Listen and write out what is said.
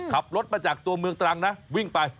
ขับรถมาจากตัวเมืองตรังนะวิ่งไป